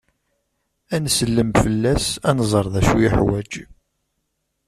Ad nsellem fell-as, ad nẓer acu yuḥwaǧ.